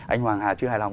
anh hoàng hà chưa hài lòng